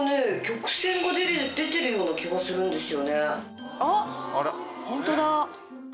曲線が出てるような気がするんですよね。